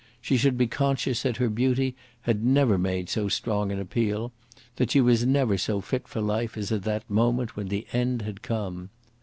She should be conscious that her beauty had never made so strong an appeal; that she was never so fit for life as at the moment when the end had come.